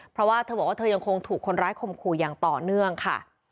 เพราะว่าเธอบอกว่าเธอยังคงถูกคนร้ายข่มขู่อย่างต่อเนื่องค่ะ